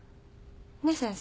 ねっ先生。